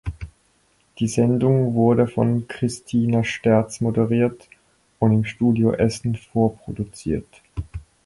Die Sendung wurde von Kristina Sterz moderiert und im Studio Essen vorproduziert.